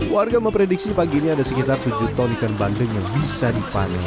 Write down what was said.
warga memprediksi pagi ini ada sekitar tujuh ton ikan bandeng yang bisa dipanen